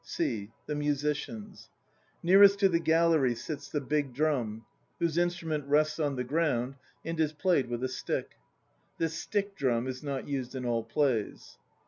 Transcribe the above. (c) The Musicians. Nearest to the gallery sits the "big drum," whose instrument rests on the ground and is played with a stick. This stick drum is not used in all plays.